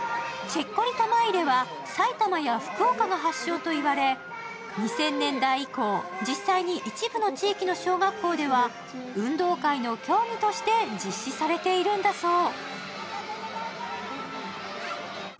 チェッコリ玉入れは埼玉や福岡が発祥と言われ２０００年代以降、実際に一部の地域の小学校では運動会の競技として実施されているんだそう。